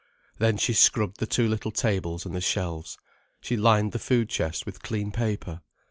Then she scrubbed the two little tables and the shelves. She lined the food chest with clean paper.